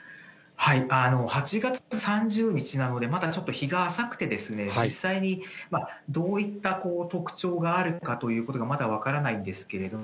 ８月３０日なので、まだちょっと日が浅くて、実際にどういった特徴があるかということがまだ分からないんですけれども。